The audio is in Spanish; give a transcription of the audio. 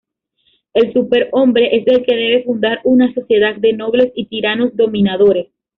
El superhombre es el que debe fundar una sociedad de nobles y tiranos dominadores.